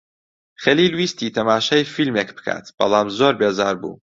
خەلیل ویستی تەماشای فیلمێک بکات بەڵام زۆر بێزار بوو.